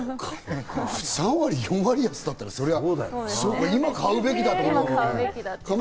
３割、４割安だったら、そりゃあね、今買うべきだって思う。